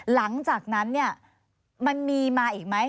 หลังจากนั้นมันมีมาอีกไหม